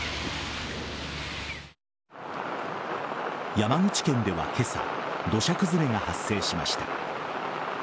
山口県では今朝、土砂崩れが発生しました。